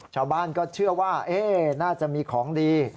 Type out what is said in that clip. ชาวบ้านก็เชื่อว่าน่าจะมีของดี